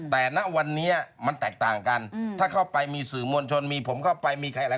แต่ณวันนี้มันแตกต่างกันถ้าเข้าไปมีสื่อมวลชนมีผมเข้าไปมีใครอะไร